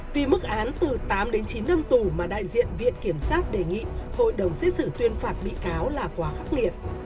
vì mức án từ tám đến chín năm tù mà đại diện viện kiểm sát đề nghị hội đồng xét xử tuyên phạt bị cáo là quá khắc nghiệt